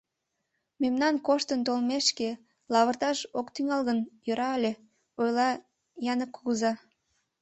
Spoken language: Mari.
Мемнан коштын толмешке, лавырташ ок тӱҥал гын, йӧра ыле, — ойла Я нык кугыза.